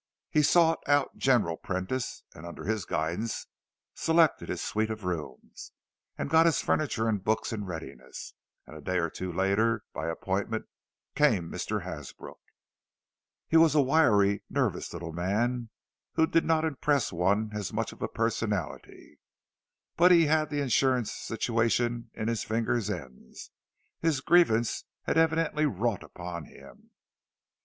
He sought out General Prentice, and under his guidance selected his suite of rooms, and got his furniture and books in readiness. And a day or two later, by appointment, came Mr. Hasbrook. He was a wiry, nervous little man, who did not impress one as much of a personality; but he had the insurance situation at his fingers' ends—his grievance had evidently wrought upon him.